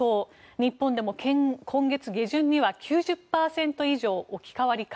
日本でも今月下旬には９０％以上置き換わりか。